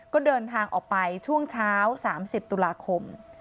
ก็เดินทางออกไปช่วงเช้า๓๐ตุลาคม